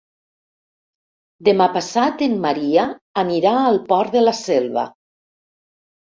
Demà passat en Maria anirà al Port de la Selva.